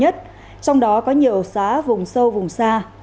trong đó có nhiều xã vùng sâu vùng xa